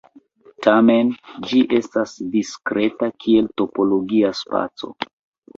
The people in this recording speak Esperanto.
Tamen, ĝi estas diskreta kiel topologia spaco.